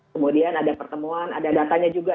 kemudian ada pertemuan ada datanya juga